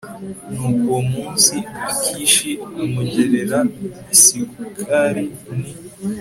Nuko uwo munsi Akishi amugerera i Sikulagi Ni